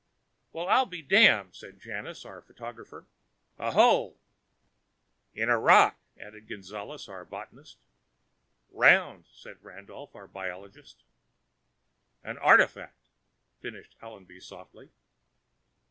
"Well, I'll be damned," said Janus, our photographer. "A hole." "In a rock," added Gonzales, our botanist. "Round," said Randolph, our biologist. "An artifact," finished Allenby softly.